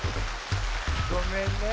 ごめんね。